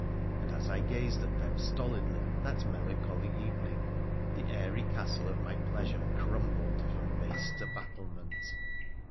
and as I gazed at them stolidly, that melancholy evening, the airy castle of my pleasure crumbled from base to battlement.